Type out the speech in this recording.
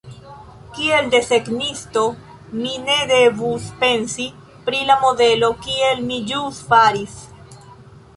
Kiel desegnisto, mi ne devus pensi pri la modelo, kiel mi ĵus faris.